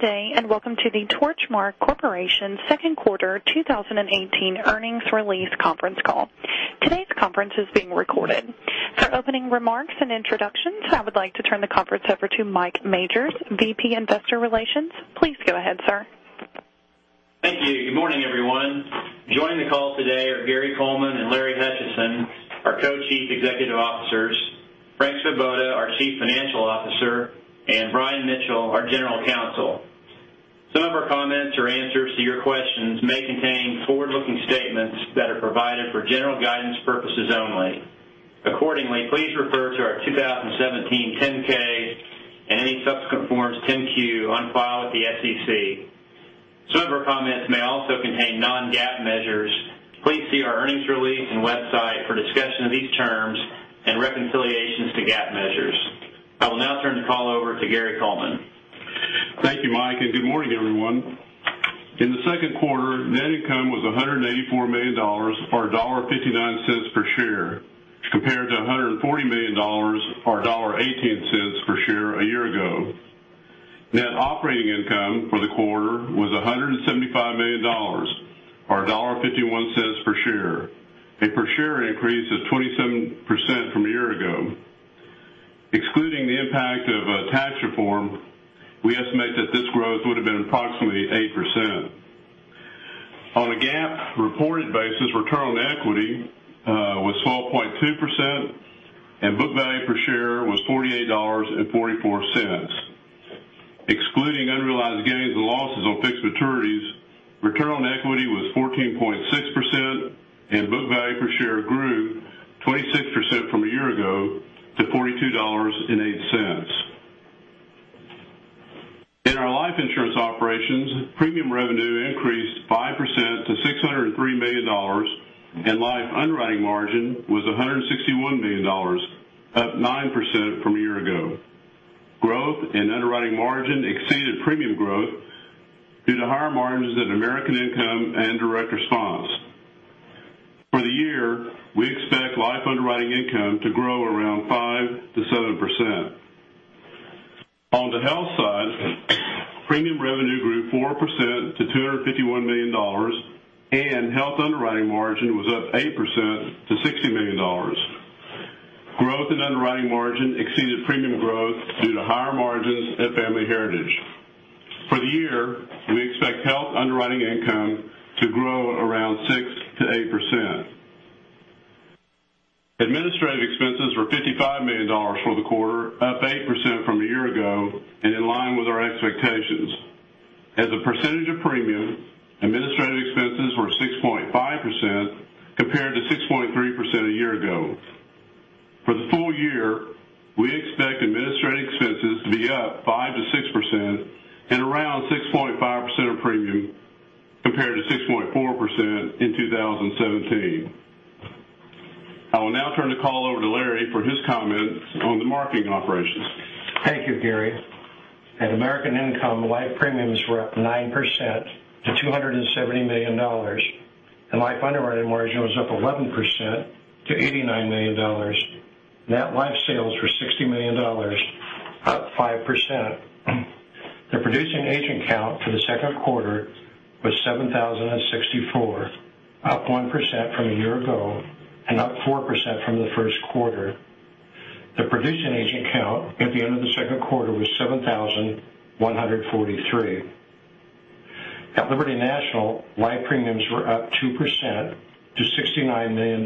Good day, welcome to the Torchmark Corporation second quarter 2018 earnings release conference call. Today's conference is being recorded. For opening remarks and introductions, I would like to turn the conference over to Mike Majors, VP Investor Relations. Please go ahead, sir. Thank you. Good morning, everyone. Joining the call today are Gary Coleman and Larry Hutchison, our Co-Chief Executive Officers, Frank Svoboda, our Chief Financial Officer, and Brian Mitchell, our General Counsel. Some of our comments or answers to your questions may contain forward-looking statements that are provided for general guidance purposes only. Accordingly, please refer to our 2017 10-K and any subsequent forms, 10-Q on file with the SEC. Some of our comments may also contain non-GAAP measures. Please see our earnings release and website for discussion of these terms and reconciliations to GAAP measures. I will now turn the call over to Gary Coleman. Thank you, Mike, good morning, everyone. In the second quarter, net income was $184 million or $1.59 per share, compared to $140 million or $1.18 per share a year ago. Net operating income for the quarter was $175 million, or $1.51 per share, a per share increase of 27% from a year ago. Excluding the impact of a tax reform, we estimate that this growth would've been approximately 8%. On a GAAP reported basis, return on equity was 12.2% and book value per share was $48.44. Excluding unrealized gains and losses on fixed maturities, return on equity was 14.6% and book value per share grew 26% from a year ago to $42.08. In our life insurance operations, premium revenue increased 5% to $603 million and life underwriting margin was $161 million, up 9% from a year ago. Growth in underwriting margin exceeded premium growth due to higher margins at American Income and Direct Response. For the year, we expect life underwriting income to grow around 5%-7%. On the health side, premium revenue grew 4% to $251 million, health underwriting margin was up 8% to $60 million. Growth in underwriting margin exceeded premium growth due to higher margins at Family Heritage. For the year, we expect health underwriting income to grow around 6%-8%. Administrative expenses were $55 million for the quarter, up 8% from a year ago and in line with our expectations. As a percentage of premium, administrative expenses were 6.5% compared to 6.3% a year ago. For the full year, we expect administrative expenses to be up 5%-6% and around 6.5% of premium, compared to 6.4% in 2017. I will now turn the call over to Larry for his comments on the marketing operations. Thank you, Gary. At American Income, life premiums were up 9% to $270 million, and life underwriting margin was up 11% to $89 million. Net life sales were $60 million, up 5%. The producing agent count for the second quarter was 7,064, up 1% from a year ago and up 4% from the first quarter. The producing agent count at the end of the second quarter was 7,143. At Liberty National, life premiums were up 2% to $69 million,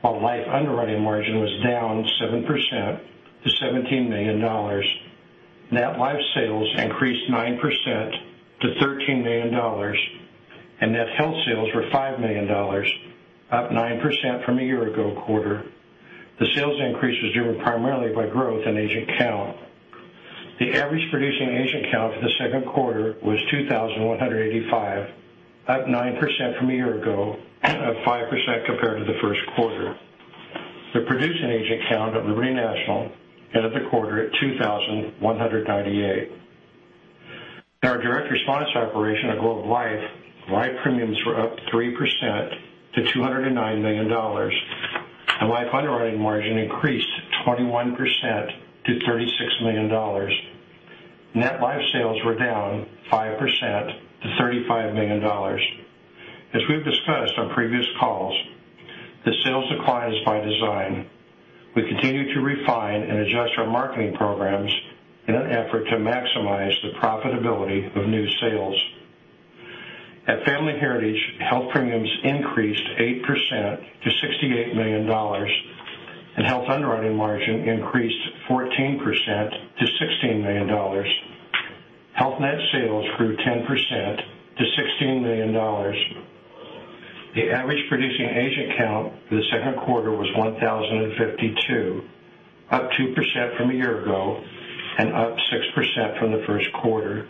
while life underwriting margin was down 7% to $17 million. Net life sales increased 9% to $13 million, and net health sales were $5 million, up 9% from a year ago quarter. The sales increase was driven primarily by growth in agent count. The average producing agent count for the second quarter was 2,185, up 9% from a year ago and up 5% compared to the first quarter. The producing agent count at Liberty National ended the quarter at 2,198. In our Direct Response operation at Globe Life, life premiums were up 3% to $209 million, and life underwriting margin increased 21% to $36 million. Net life sales were down 5% to $35 million. As we've discussed on previous calls, the sales decline is by design. We continue to refine and adjust our marketing programs in an effort to maximize the profitability of new sales. At Family Heritage, health premiums increased 8% to $68 million, and health underwriting margin increased 14% to $16 million. Health net sales grew 10% to $16 million. The average producing agent count for the second quarter was 1,052, up 2% from a year ago and up 6% from the first quarter.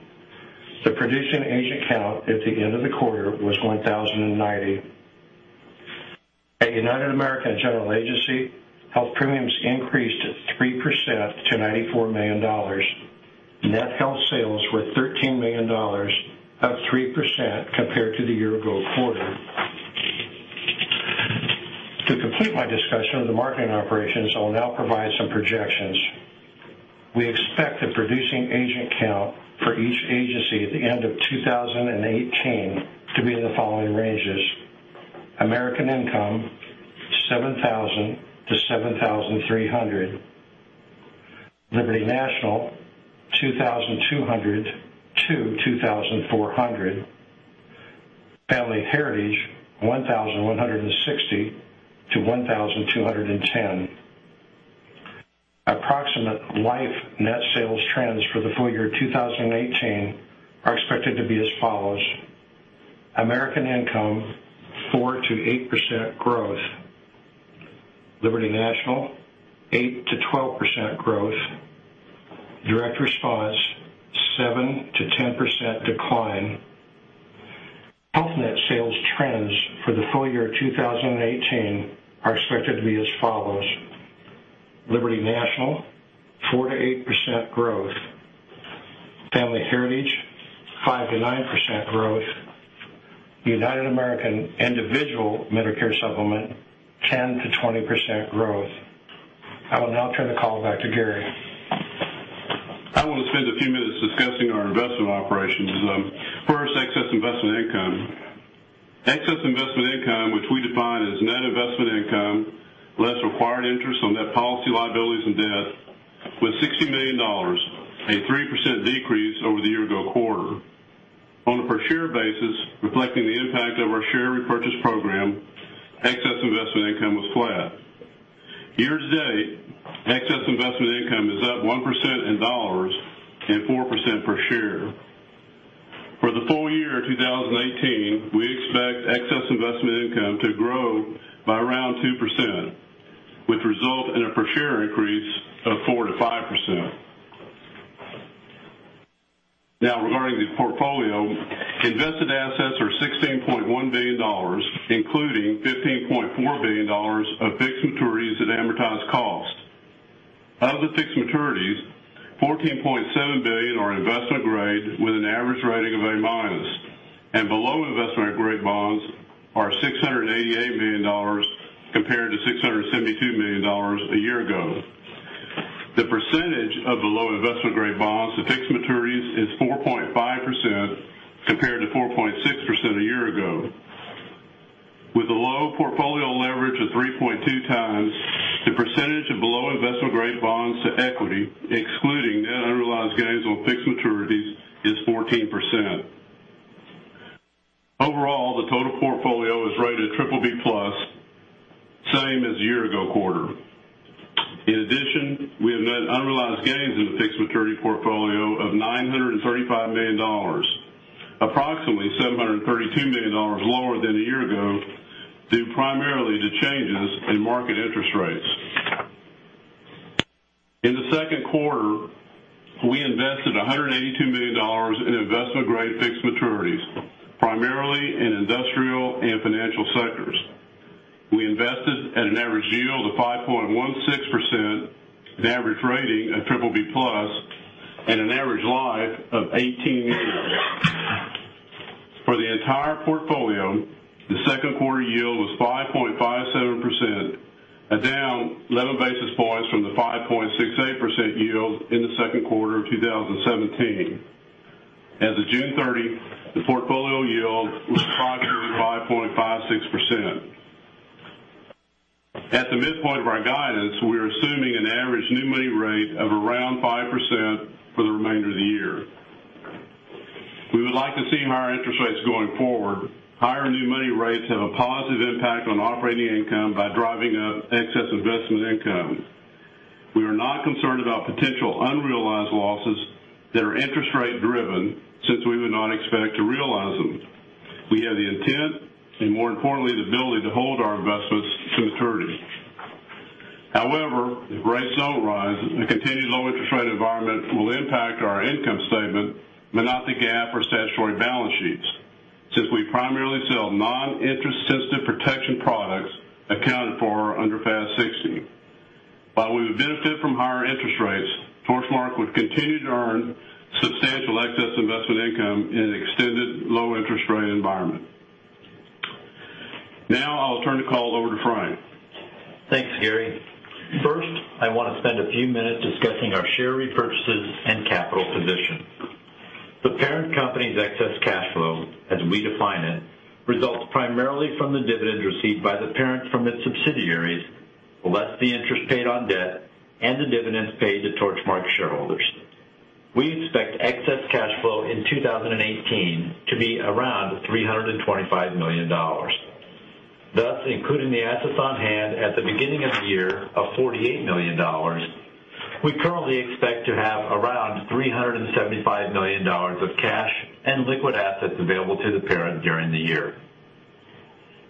The producing agent count at the end of the quarter was 1,090. At United American General Agency, health premiums increased 3% to $94 million. Net health sales were $13 million, up 3% compared to the year-ago quarter. To complete my discussion of the marketing operations, I will now provide some projections. We expect the producing agent count for each agency at the end of 2018 to be in the following ranges: American Income, 7,000-7,300. Liberty National, 2,200-2,400. Family Heritage, 1,160-1,210. Approximate life net sales trends for the full year 2018 are expected to be as follows. American Income, 4%-8% growth. Liberty National, 8%-12% growth. Direct response, 7%-10% decline. Health net sales trends for the full year 2018 are expected to be as follows. Liberty National, 4%-8% growth. Family Heritage, 5%-9% growth. United American individual Medicare supplement, 10%-20% growth. I will now turn the call back to Gary. I want to spend a few minutes discussing our investment operations. First, excess investment income. Excess investment income, which we define as net investment income, less required interest on net policy liabilities and debt, was $60 million, a 3% decrease over the year ago quarter. On a per share basis, reflecting the impact of our share repurchase program, excess investment income was flat. Year-to-date, excess investment income is up 1% in dollars and 4% per share. For the full year 2018, we expect excess investment income to grow by around 2%, which result in a per share increase of 4% to 5%. Now, regarding the portfolio, invested assets are $16.1 billion, including $15.4 billion of fixed maturities at amortized cost. Of the fixed maturities, $14.7 billion are investment-grade with an average rating of A-, and below investment-grade bonds are $688 million compared to $672 million a year ago. The percentage of the low investment-grade bonds to fixed maturities is 4.5% compared to 4.6% a year ago. With a low portfolio leverage of 3.2 times, the percentage of below investment-grade bonds to equity, excluding net unrealized gains on fixed maturities, is 14%. Overall, the total portfolio is rated BBB+, same as year ago quarter. In addition, we have net unrealized gains in the fixed maturity portfolio of $935 million, approximately $732 million lower than a year ago, due primarily to changes in market interest rates. In the second quarter, we invested $182 million in investment-grade fixed maturities, primarily in industrial and financial sectors. We invested at an average yield of 5.16%, an average rating of BBB+, and an average life of 18 years. For the entire portfolio, the second quarter yield was 5.57%, down 11 basis points from the 5.68% yield in the second quarter of 2017. As of June 30, the portfolio yield was 5.56%. At the midpoint of our guidance, we are assuming an average new money rate of around 5% for the remainder of the year. We would like to see higher interest rates going forward. Higher new money rates have a positive impact on operating income by driving up excess investment income. We are not concerned about potential unrealized losses that are interest rate driven since we would not expect to realize them. We have the intent, and more importantly, the ability to hold our investments to maturity. However, if rates don't rise, a continued low interest rate environment will impact our income statement, but not the GAAP or statutory balance sheets, since we primarily sell non-interest sensitive protection products accounted for under FAS 60. While we would benefit from higher interest rates, Torchmark would continue to earn substantial excess investment income in an extended low interest rate environment. I will turn the call over to Frank. Thanks, Gary. I want to spend a few minutes discussing our share repurchases and capital position. The parent company's excess cash flow, as we define it, results primarily from the dividends received by the parent from its subsidiaries, less the interest paid on debt and the dividends paid to Torchmark shareholders. We expect excess cash flow in 2018 to be around $325 million. Including the assets on hand at the beginning of the year of $48 million, we currently expect to have around $375 million of cash and liquid assets available to the parent during the year.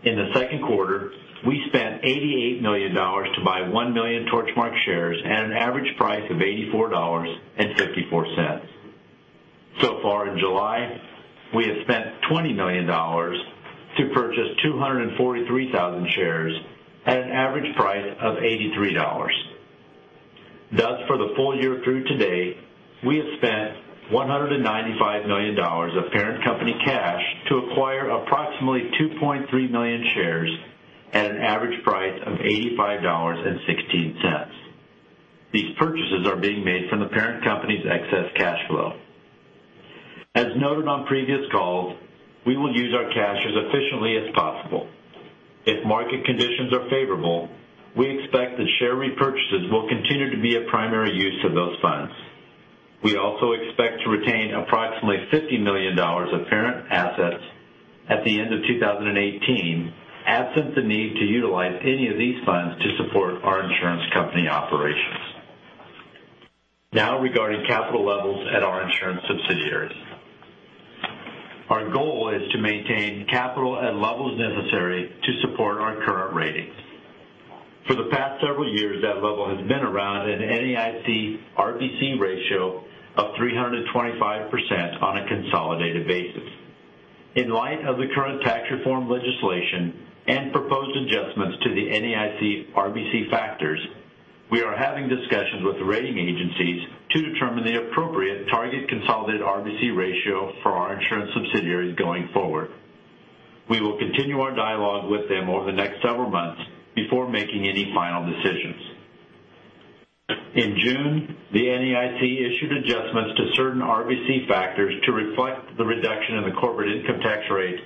In the second quarter, we spent $88 million to buy 1 million Torchmark shares at an average price of $84.54. Far in July, we have spent $20 million to purchase 243,000 shares at an average price of $83. For the full year through today, we have spent $195 million of parent company cash to acquire approximately 2.3 million shares at an average price of $85.16. These purchases are being made from the parent company's excess cash flow. As noted on previous calls, we will use our cash as efficiently as possible. If market conditions are favorable, we expect that share repurchases will continue to be a primary use of those funds. We also expect to retain approximately $50 million of parent assets at the end of 2018, absent the need to utilize any of these funds to support our insurance company operations. Regarding capital levels at our insurance subsidiaries. Our goal is to maintain capital at levels necessary to support our current ratings. For the past several years, that level has been around an NAIC RBC ratio of 325% on a consolidated basis. In light of the current tax reform legislation and proposed adjustments to the NAIC RBC factors, we are having discussions with the rating agencies to determine the appropriate target consolidated RBC ratio for our insurance subsidiaries going forward. We will continue our dialogue with them over the next several months before making any final decisions. In June, the NAIC issued adjustments to certain RBC factors to reflect the reduction in the corporate income tax rate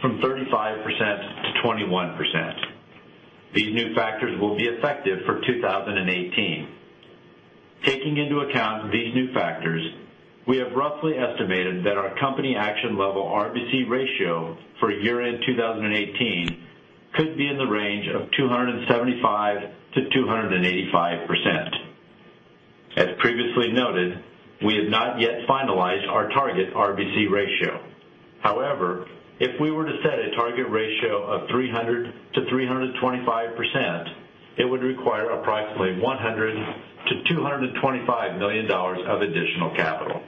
from 35%-21%. These new factors will be effective for 2018. Taking into account these new factors, we have roughly estimated that our Company Action Level RBC ratio for year-end 2018 could be in the range of 275%-285%. As previously noted, we have not yet finalized our target RBC ratio. However, if we were to set a target ratio of 300%-325%, it would require approximately $100 million-$225 million of additional capital.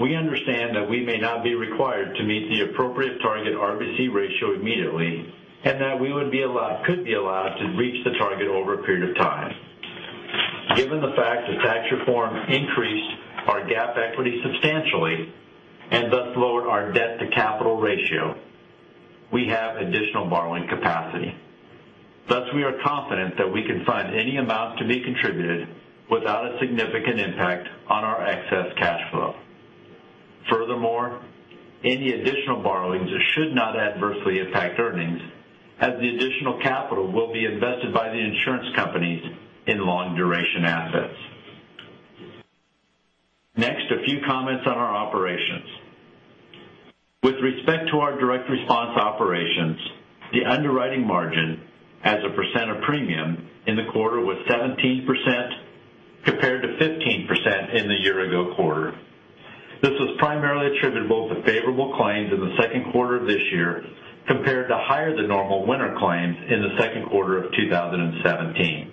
We understand that we may not be required to meet the appropriate target RBC ratio immediately, and that we could be allowed to reach the target over a period of time. Given the fact that tax reform increased our GAAP equity substantially and thus lowered our debt-to-capital ratio, we have additional borrowing capacity. Thus, we are confident that we can fund any amount to be contributed without a significant impact on our excess cash flow. Furthermore, any additional borrowings should not adversely impact earnings, as the additional capital will be invested by the insurance companies in long-duration assets. Next, a few comments on our operations. With respect to our Direct Response operations, the underwriting margin as a % of premium in the quarter was 17%, compared to 15% in the year-ago quarter. This was primarily attributable to favorable claims in the second quarter of this year, compared to higher-than-normal winter claims in the second quarter of 2017.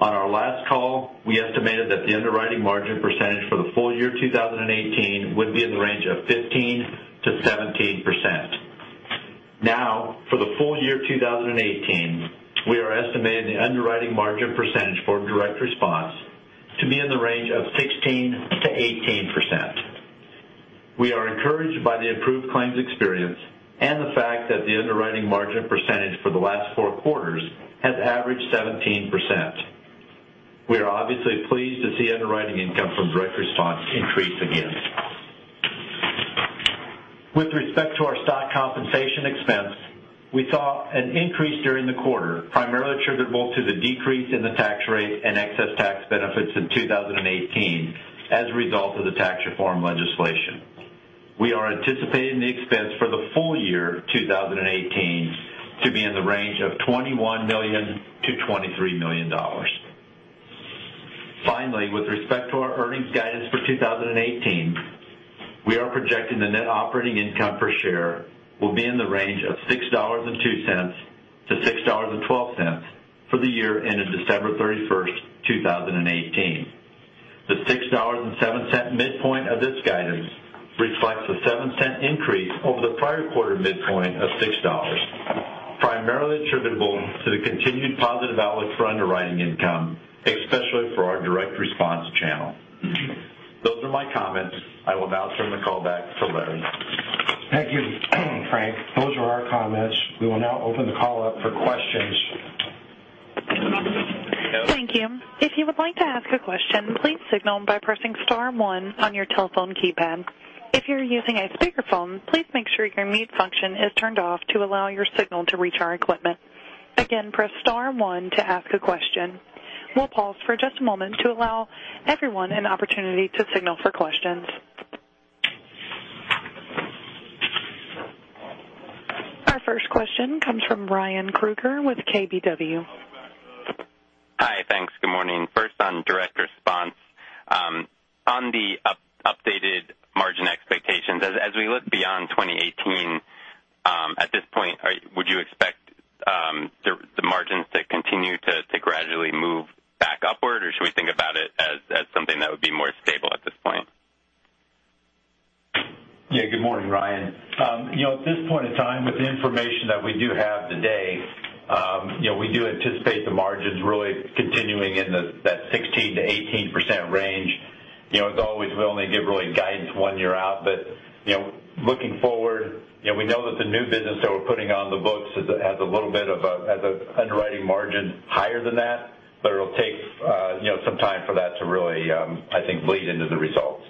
On our last call, we estimated that the underwriting margin % for the full year 2018 would be in the range of 15%-17%. Now, for the full year 2018, we are estimating the underwriting margin % for Direct Response to be in the range of 16%-18%. We are encouraged by the improved claims experience and the fact that the underwriting margin % for the last four quarters has averaged 17%. We are obviously pleased to see underwriting income from Direct Response increase again. With respect to our stock compensation expense, we saw an increase during the quarter, primarily attributable to the decrease in the tax rate and excess tax benefits in 2018 as a result of the tax reform legislation. We are anticipating the expense for the full year 2018 to be in the range of $21 million-$23 million. Finally, with respect to our earnings guidance for 2018, we are projecting the net operating income per share will be in the range of $6.02-$6.12 for the year ending December 31st, 2018. The $6.07 midpoint of this guidance reflects a $0.07 increase over the prior quarter midpoint of $6, primarily attributable to the continued positive outlook for underwriting income, especially for our Direct Response channel. Those are my comments. I will now turn the call back to Larry. Thank you, Frank. Those are our comments. We will now open the call up for questions. Thank you. If you would like to ask a question, please signal by pressing *1 on your telephone keypad. If you're using a speakerphone, please make sure your mute function is turned off to allow your signal to reach our equipment. Again, press *1 to ask a question. We'll pause for just a moment to allow everyone an opportunity to signal for questions. Our first question comes from Ryan Krueger with KBW. Hi. Thanks. Good morning. First, on direct response. On the updated margin expectations, as we look beyond 2018, at this point, would you expect the margins to continue to gradually move back upward? Good morning, Ryan. At this point in time, with the information that we do have today, we do anticipate the margins really continuing in that 16%-18% range. As always, we only give guidance one year out, but looking forward, we know that the new business that we're putting on the books has a little bit of an underwriting margin higher than that, but it'll take some time for that to really, I think, bleed into the results.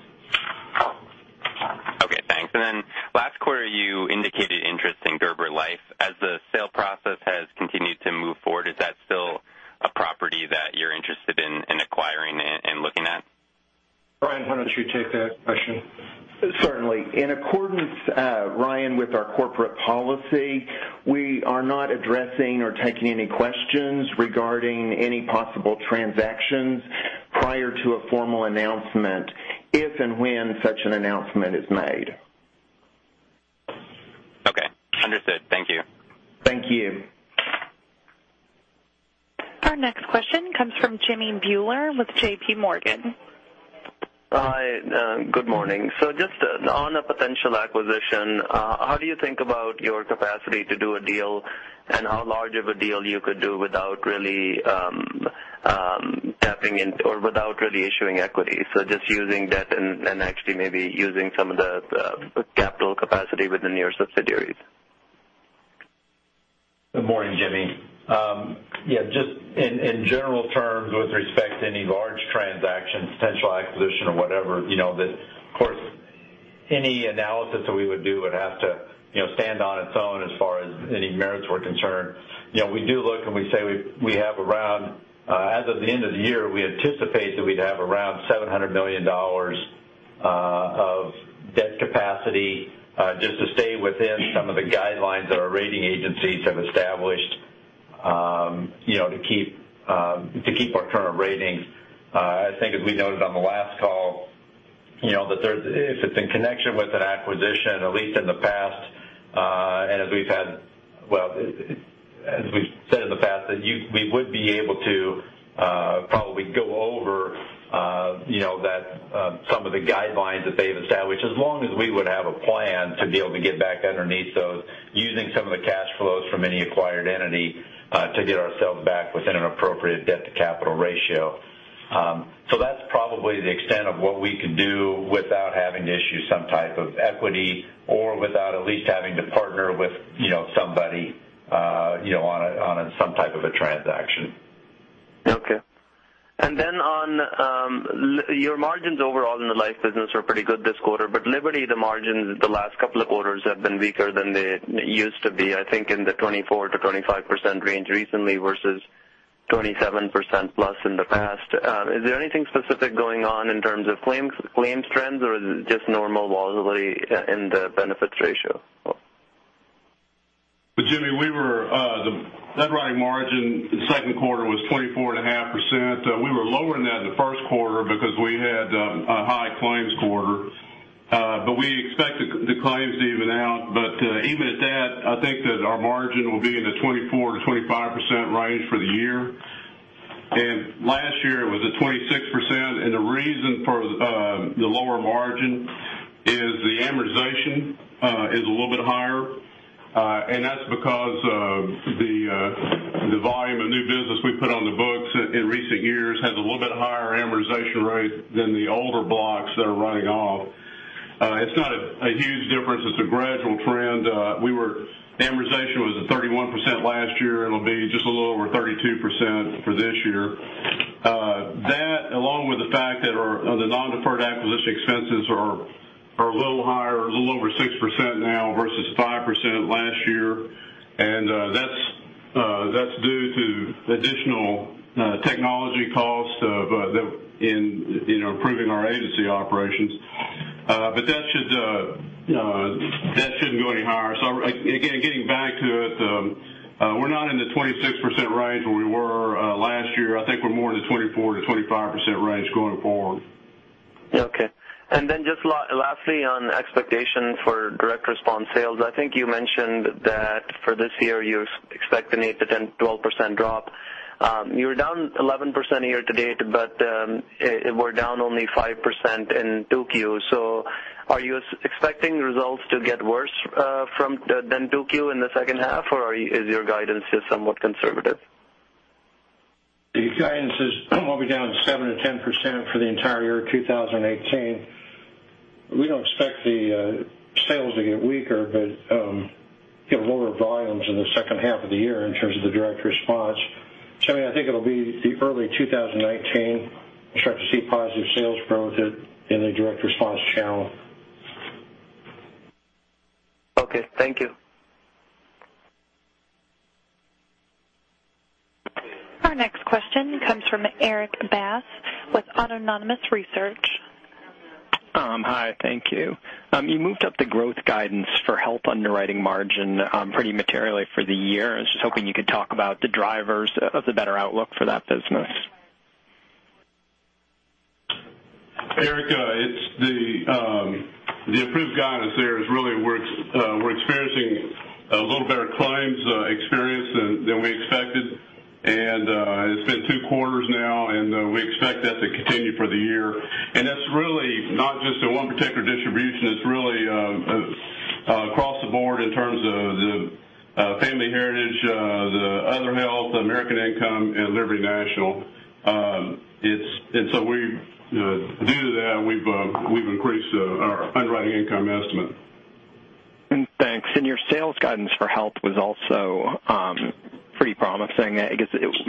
Okay, thanks. Then last quarter, you indicated interest in Gerber Life. As the sale process has continued to move forward, is that still a property that you're interested in acquiring and looking at? Brian, why don't you take that question? Certainly. In accordance, Ryan, with our corporate policy, we are not addressing or taking any questions regarding any possible transactions prior to a formal announcement, if and when such an announcement is made. Okay. Understood. Thank you. Thank you. Our next question comes from Jimmy Bhullar with J.P. Morgan. Hi, good morning. Just on a potential acquisition, how do you think about your capacity to do a deal and how large of a deal you could do without really issuing equity? Just using debt and actually maybe using some of the capital capacity within your subsidiaries. Good morning, Jimmy. Just in general terms with respect to any large transaction, potential acquisition or whatever, of course, any analysis that we would do would have to stand on its own as far as any merits were concerned. We do look and we say as of the end of the year, we anticipate that we'd have around $700 million of debt capacity just to stay within some of the guidelines that our rating agencies have established to keep our current ratings. I think as we noted on the last call, if it's in connection with an acquisition, at least in the past, and as we've said in the past, that we would be able to probably go over some of the guidelines that they've established, as long as we would have a plan to be able to get back underneath those using some of the cash flows from any acquired entity to get ourselves back within an appropriate debt-to-capital ratio. That's probably the extent of what we can do without having to issue some type of equity or without at least having to partner with somebody on some type of a transaction. Okay. On your margins overall in the life business are pretty good this quarter, but Liberty, the margins the last couple of quarters have been weaker than they used to be. I think in the 24%-25% range recently, versus 27%+ in the past. Is there anything specific going on in terms of claims trends, or is it just normal volatility in the benefits ratio? Jimmy, the underwriting margin in the 2Q was 24.5%. We were lower than that in the 1Q because we had a high claims quarter. We expect the claims to even out. Even at that, I think that our margin will be in the 24%-25% range for the year. Last year it was at 26%, and the reason for the lower margin is the amortization is a little bit higher. That's because of the volume of new business we put on the books in recent years has a little bit higher amortization rate than the older blocks that are running off. It's not a huge difference. It's a gradual trend. Amortization was at 31% last year. It'll be just a little over 32% for this year. That, along with the fact that the non-deferred acquisition expenses are a little higher, it's a little over 6% now versus 5% last year. That's due to additional technology costs in improving our agency operations. That shouldn't go any higher. Again, getting back to it, we're not in the 26% range where we were last year. I think we're more in the 24%-25% range going forward. Okay. Just lastly on expectations for direct response sales, I think you mentioned that for this year, you expect an 8% to 10%, 12% drop. You were down 11% year-to-date, but were down only 5% in 2Q. Are you expecting results to get worse than 2Q in the second half, or is your guidance just somewhat conservative? The guidance is we'll be down 7%-10% for the entire year 2018. We don't expect the sales to get weaker, but get lower volumes in the second half of the year in terms of the Direct Response. Jimmy, I think it'll be the early 2019 we start to see positive sales growth in the Direct Response channel. Okay, thank you. Our next question comes from Erik Bass with Autonomous Research. Hi, thank you. You moved up the growth guidance for health underwriting margin pretty materially for the year. I was just hoping you could talk about the drivers of the better outlook for that business. Erik, the approved guidance there is we're experiencing a little better claims experience than we expected. Two quarters now. We expect that to continue for the year. That's not just in one particular distribution, it's across the board in terms of the Family Heritage, the Other Health, American Income, and Liberty National. Due to that, we've increased our underwriting income estimate. Thanks. Your sales guidance for health was also pretty promising.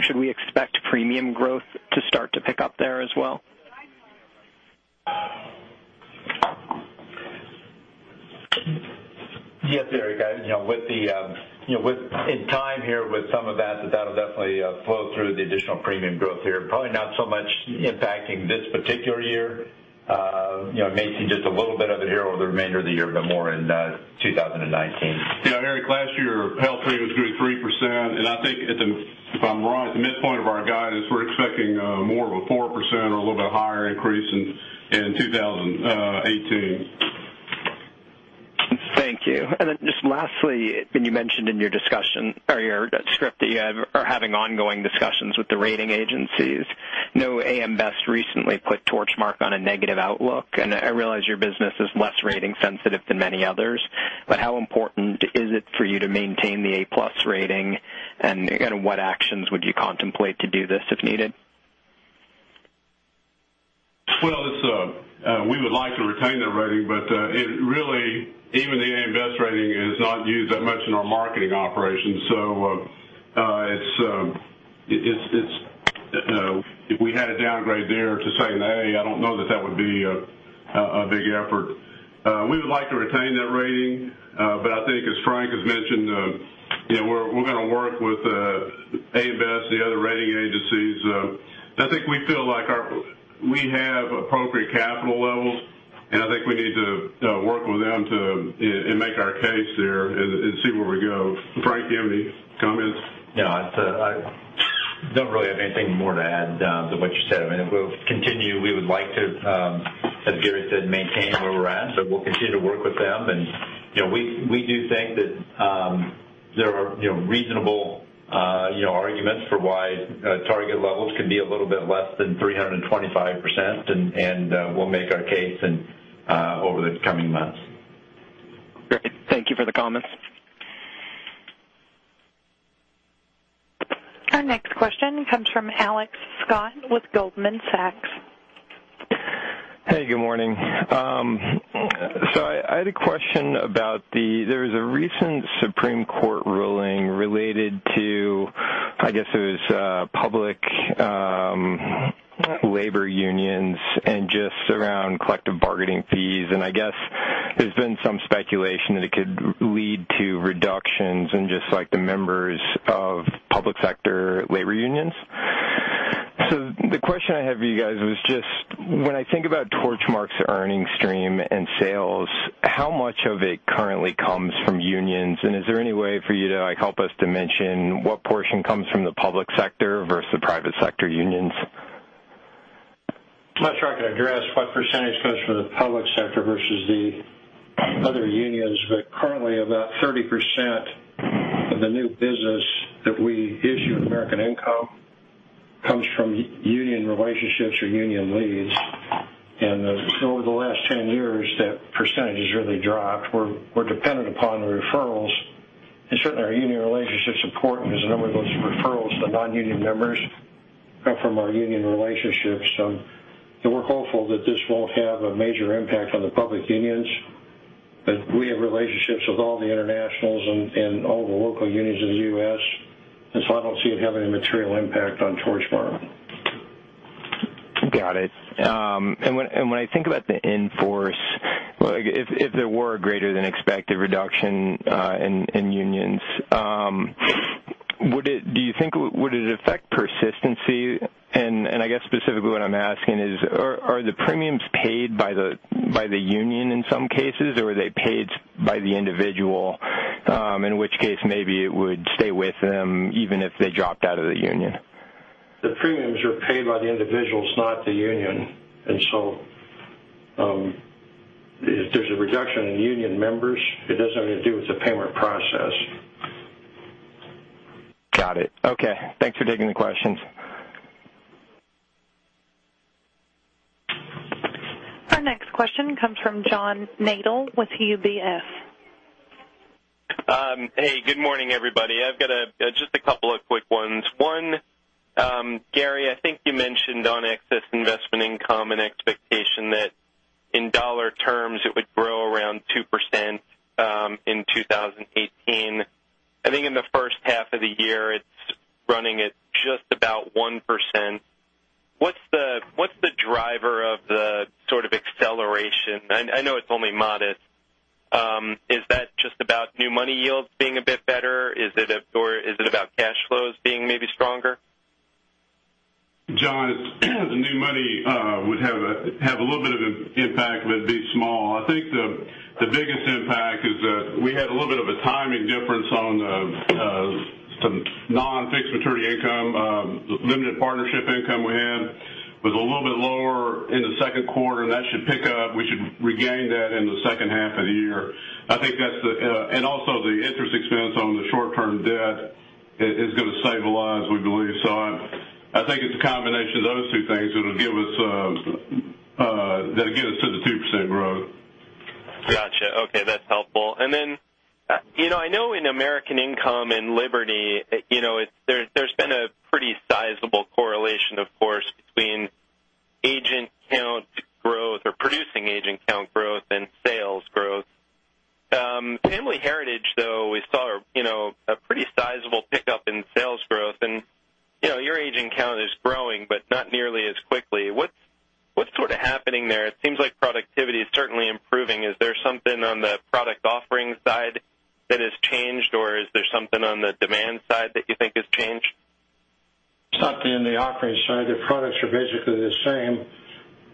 Should we expect premium growth to start to pick up there as well? Yes, Erik. In time here with some of that'll definitely flow through the additional premium growth here. Probably not so much impacting this particular year. You may see just a little bit of it here over the remainder of the year, but more in 2019. Yeah, Erik, last year health premium was growing 3%. I think if I'm right, at the midpoint of our guidance, we're expecting more of a 4% or a little bit higher increase in 2018. Thank you. Just lastly, you mentioned in your discussion or your script that you are having ongoing discussions with the rating agencies. I know AM Best recently put Torchmark on a negative outlook, and I realize your business is less rating sensitive than many others, but how important is it for you to maintain the A+ rating, and what actions would you contemplate to do this if needed? Well, we would like to retain that rating, it really, even the AM Best rating is not used that much in our marketing operations. If we had a downgrade there to say an A, I don't know that that would be a big effort. We would like to retain that rating. I think as Frank has mentioned, we're going to work with AM Best, the other rating agencies. I think we feel like we have appropriate capital levels, and I think we need to work with them to make our case there and see where we go. Frank, do you have any comments? No. I don't really have anything more to add to what you said. I mean, we'll continue. We would like to, as Gary said, maintain where we're at. We'll continue to work with them. We do think that there are reasonable arguments for why target levels can be a little bit less than 325%, and we'll make our case over the coming months. Great. Thank you for the comments. Our next question comes from Alex Scott with Goldman Sachs. Hey, good morning. I had a question about there was a recent Supreme Court ruling related to, I guess it was public labor unions and just around collective bargaining fees. I guess there's been some speculation that it could lead to reductions in just like the members of public sector labor unions. The question I have for you guys was just when I think about Torchmark's earnings stream and sales, how much of it currently comes from unions? Is there any way for you to help us dimension what portion comes from the public sector versus the private sector unions? I'm not sure I can address what percentage comes from the public sector versus the other unions. Currently, about 30% of the new business that we issue with American Income comes from union relationships or union leads. Over the last 10 years, that percentage has really dropped. We're dependent upon referrals, and certainly our union relationship's important as a number of those referrals to non-union members come from our union relationships. We're hopeful that this won't have a major impact on the public unions. We have relationships with all the internationals and all the local unions in the U.S., and so I don't see it having a material impact on Torchmark. Got it. When I think about the in-force, if there were a greater than expected reduction in unions, do you think would it affect persistency? I guess specifically what I'm asking is, are the premiums paid by the union in some cases, or are they paid by the individual? In which case maybe it would stay with them even if they dropped out of the union. The premiums are paid by the individuals, not the union. If there's a reduction in union members, it doesn't have anything to do with the payment process. Got it. Okay. Thanks for taking the questions. Our next question comes from John Nadel with UBS. Hey, good morning, everybody. I've got just a couple of quick ones. One, Gary, I think you mentioned on excess investment income an expectation that in dollar terms, it would grow around 2% in 2018. I think in the first half of the year, it's running at just about 1%. What's the driver of the sort of acceleration? I know it's only modest. Is that just about new money yields being a bit better? Or is it about cash flows being maybe stronger? John, the new money would have a little bit of an impact, but it'd be small. I think the biggest impact is that we had a little bit of a timing difference on some non-fixed maturity income, limited partnership income we had was a little bit lower in the second quarter, and that should pick up. We should regain that in the second half of the year. Also, the interest expense on the short-term debt is going to stabilize, we believe so. I think it's a combination of those two things that'll give us to the 2% growth. Got you. Okay. That's helpful. I know in American Income and Liberty, there's been a pretty sizable correlation, of course, between agent count growth or producing agent count growth and sales growth. Family Heritage, though, we saw a pretty sizable pickup in sales growth and your agent count is growing, but not nearly as quickly. What's sort of happening there? It seems like productivity is certainly improving. Is there something on the product offering side that has changed, or is there something on the demand side that you think has changed? It's not been the offering side. The products are basically the same.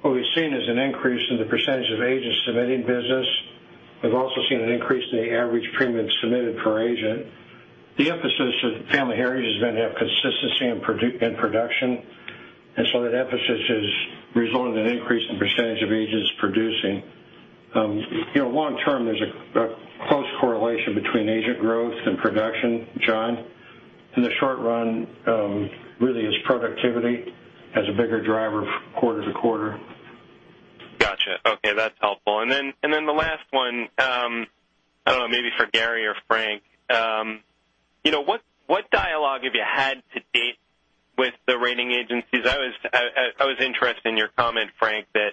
What we've seen is an increase in the percentage of agents submitting business. We've also seen an increase in the average premium submitted per agent. The emphasis of Family Heritage has been to have consistency in production. That emphasis has resulted in an increase in percentage of agents producing. Long term, there's a close correlation between agent growth and production, John. In the short run, really it's productivity as a bigger driver quarter to quarter. Got you. Okay. That's helpful. The last one, I don't know, maybe for Gary or Frank. What dialogue have you had to date with the rating agencies? I was interested in your comment, Frank, that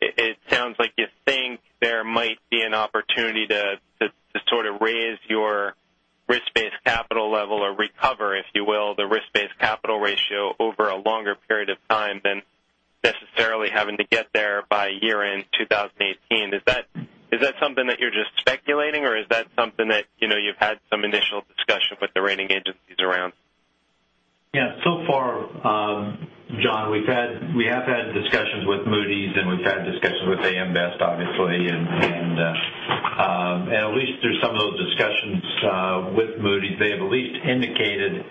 it sounds like you think there might be an opportunity to sort of raise your risk-based capital level or recover, if you will, the risk-based capital ratio over a longer period of time than necessarily having to get there by year-end 2018. Is that something that you're just speculating, or is that something that you've had some initial discussion with the rating agencies around? So far, John, we have had discussions with Moody's, and we've had discussions with AM Best, obviously. At least through some of those discussions with Moody's, they have at least indicated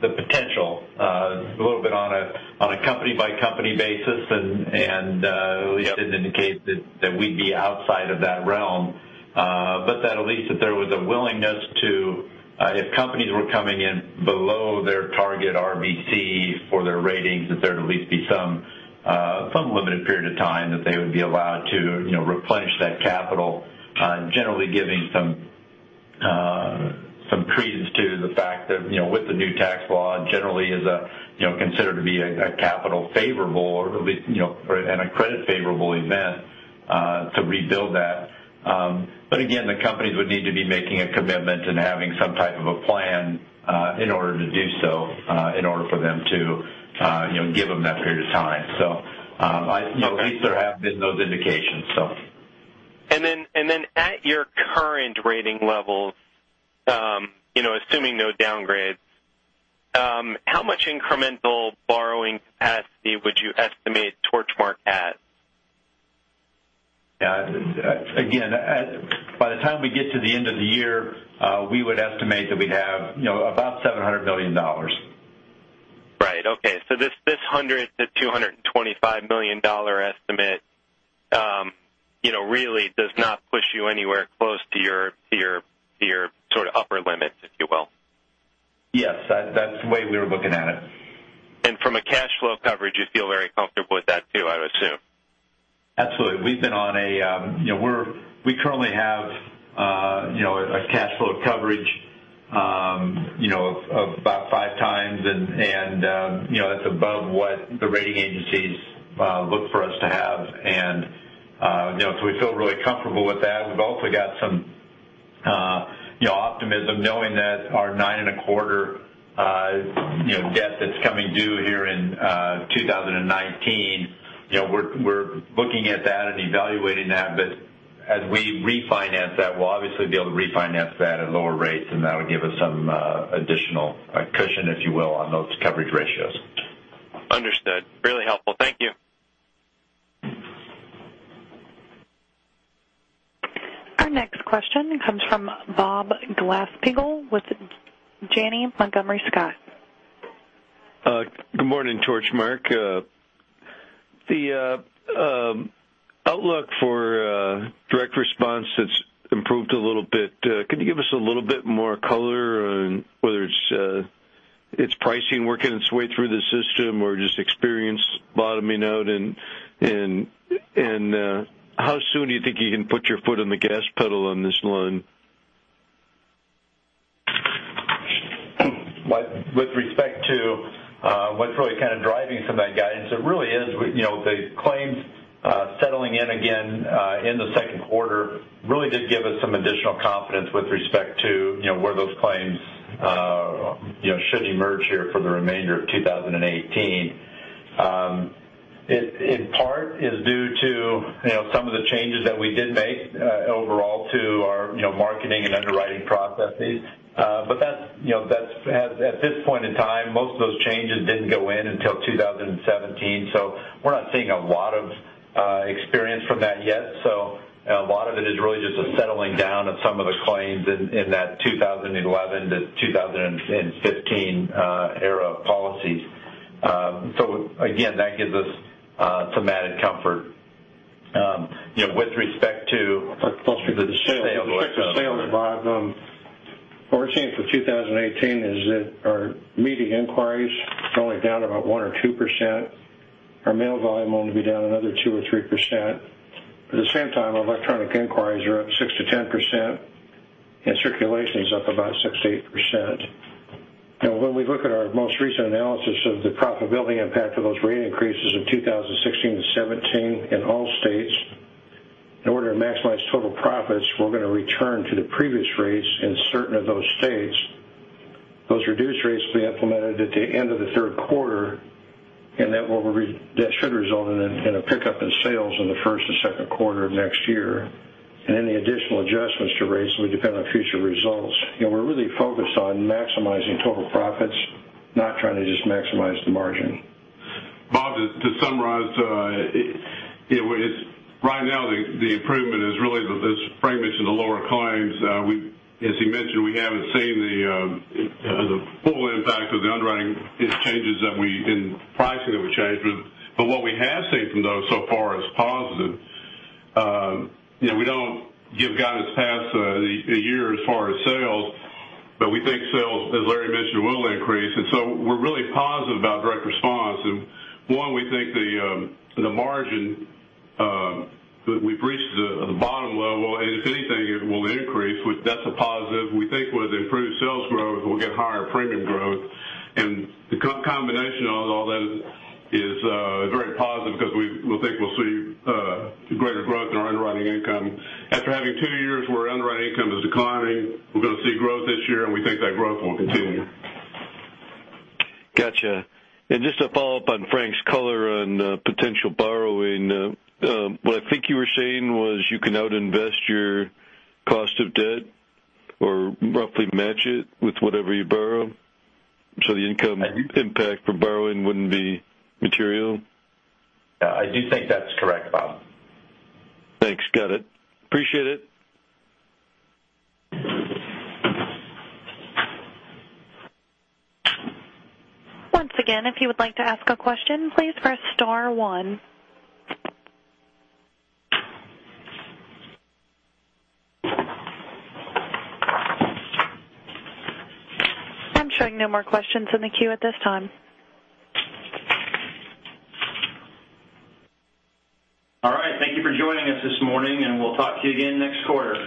the potential a little bit on a company-by-company basis and at least didn't indicate that we'd be outside of that realm. That at least if there was a willingness to, if companies were coming in below their target RBC for their ratings, that there'd at least be some limited period of time that they would be allowed to replenish that capital. Generally giving some credence to the fact that with the new tax law, generally is considered to be a capital favorable or at least a credit favorable event to rebuild that. Again, the companies would need to be making a commitment and having some type of a plan in order to do so in order for them to give them that period of time. At least there have been those indications so. At your current rating levels, assuming no downgrades, how much incremental borrowing capacity would you estimate Torchmark at? Again, by the time we get to the end of the year, we would estimate that we'd have about $700 million. Right. Okay. This $100 million-$225 million estimate really does not push you anywhere close to your sort of upper limits, if you will. Yes. That's the way we were looking at it. From a cash flow coverage, you feel very comfortable with that too, I would assume. Absolutely. We currently have a cash flow coverage of about five times, and it's above what the rating agencies look for us to have, and so we feel really comfortable with that. We've also got some optimism knowing that our nine and a quarter debt that's coming due here in 2019. We're looking at that and evaluating that. As we refinance that, we'll obviously be able to refinance that at lower rates, and that would give us some additional cushion, if you will, on those coverage ratios. Understood. Really helpful. Thank you. Our next question comes from Bob Glasspiegel with Janney Montgomery Scott. Good morning, Torchmark. The outlook for direct response that's improved a little bit. Could you give us a little bit more color on whether it's pricing working its way through the system or just experience bottoming out? How soon do you think you can put your foot on the gas pedal on this line? With respect to what's really kind of driving some of that guidance, it really is the claims settling in again in the second quarter really did give us some additional confidence with respect to where those claims should emerge here for the remainder of 2018. In part is due to some of the changes that we did make overall to our marketing and underwriting processes. At this point in time, most of those changes didn't go in until 2017. We're not seeing a lot of experience from that yet. It is really just a settling down of some of the claims in that 2011 to 2015 era of policies. Again, that gives us some added comfort. With respect to sales, Bob, what we're seeing for 2018 is that our media inquiries are only down about 1% or 2%. Our mail volume will only be down another 2% or 3%. At the same time, electronic inquiries are up 6%-10%, and circulation is up about 6%-8%. When we look at our most recent analysis of the profitability impact of those rate increases in 2016 to 2017 in all states, in order to maximize total profits, we're going to return to the previous rates in certain of those states. Those reduced rates will be implemented at the end of the third quarter, and that should result in a pickup in sales in the first or second quarter of next year. Any additional adjustments to rates will be dependent on future results. We're really focused on maximizing total profits, not trying to just maximize the margin. Bob, to summarize, right now the improvement is really as Frank mentioned, the lower claims. As he mentioned, we haven't seen the full impact of the underwriting changes in pricing that we changed. What we have seen from those so far is positive. We don't give guidance past a year as far as sales, but we think sales, as Larry mentioned, will increase. We're really positive about direct response. One, we think the margin, we've reached the bottom level, and if anything, it will increase. That's a positive. We think with improved sales growth, we'll get higher premium growth. The combination of all that is very positive because we think we'll see greater growth in our underwriting income. After having two years where underwriting income is declining, we're going to see growth this year, and we think that growth will continue. Got you. Just to follow up on Frank's color on potential borrowing. What I think you were saying was you can out-invest your cost of debt or roughly match it with whatever you borrow. The income impact for borrowing wouldn't be material? I do think that's correct, Bob. Thanks. Got it. Appreciate it. Once again, if you would like to ask a question, please press star one. I'm showing no more questions in the queue at this time. All right. Thank you for joining us this morning, and we'll talk to you again next quarter.